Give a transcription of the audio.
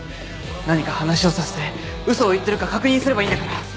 何か話をさせてウソを言ってるか確認すればいいんだから。